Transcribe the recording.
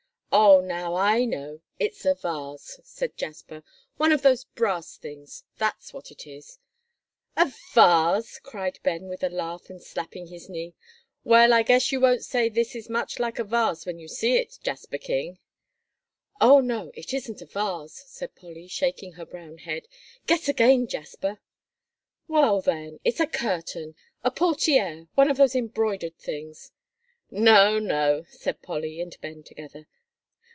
"Oh, now I know; it's a vase," said Jasper, "one of those brass things that's what it is." "A vase!" cried Ben, with a laugh, and slapping his knee. "Well, I guess you won't say this is much like a vase when you see it, Jasper King." "Oh, no, it isn't a vase," said Polly, shaking her brown head. "Guess again, Jasper." "Well, then, it's a curtain a portière, one of those embroidered things." "No, no," said Polly and Ben together.